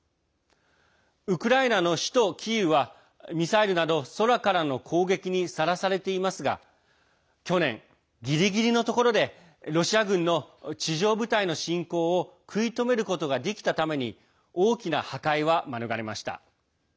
ウクライナの首都キーウはミサイルなど、空からの攻撃にさらされていますが去年、ギリギリのところでロシア軍の地上部隊の侵攻を食い止めることができたために大きな破壊は免れました。